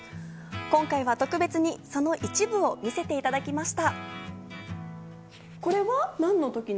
今回は特別に、その一部を見せていただきました。